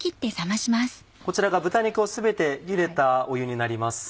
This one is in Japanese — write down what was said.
こちらが豚肉を全て茹でた湯になります。